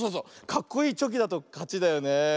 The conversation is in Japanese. かっこいいチョキだとかちだよねえ。